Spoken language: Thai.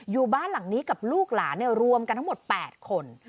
อยู่บ้านหลังนี้กับลูกหลานรวมกันทั้งหมด๘คน